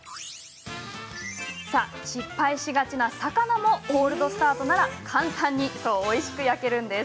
失敗しがちな魚もコールドスタートなら簡単においしく焼けます。